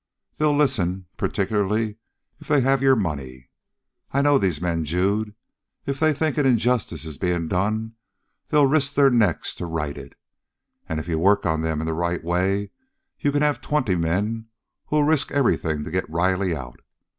They'll listen particularly if they have your money. I know these men, Jude. If they think an injustice is being done, they'll risk their necks to right it! And if you work on them in the right way, you can have twenty men who'll risk everything to get Riley out.